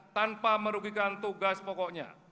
tanpa merugikan tugas pokoknya